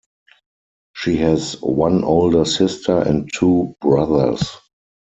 She has one older sister and two brothers.